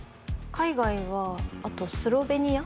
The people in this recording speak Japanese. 海外はあとスロベニア？